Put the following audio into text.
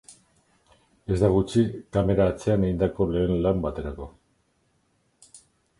Ez da gutxi kamera atzean egindako lehen lan baterako.